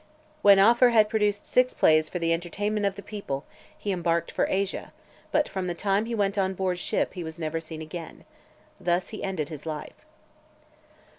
(535) When Afer had produced six plays for the entertainment of the people, He embarked for Asia; but from the time he went on board ship He was never seen again. Thus he ended his life.